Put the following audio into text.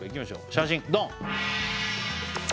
写真ドン！